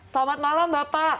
selamat malam bapak